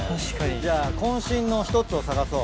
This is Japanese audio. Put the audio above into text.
じゃあ渾身の１つを探そう。